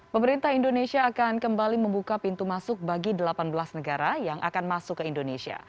pemerintah indonesia akan kembali membuka pintu masuk bagi delapan belas negara yang akan masuk ke indonesia